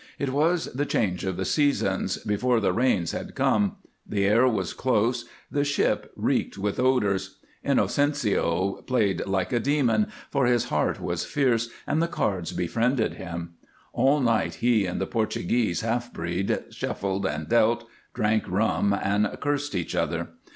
It was the change of the seasons, before the rains had come; the air was close; the ship reeked with odors. Inocencio played like a demon, for his heart was fierce, and the cards befriended him. All night he and the Portuguese half breed shuffled and dealt, drank rum, and cursed each other.